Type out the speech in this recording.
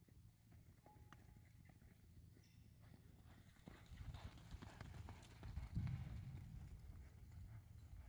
جئیں رن٘جائے یار ، کݙان٘ہیں ناں تھیسی بھلی وار